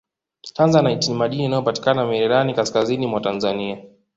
tanzanite ni madini yanayopatikana mererani kaskazini mwa tanzania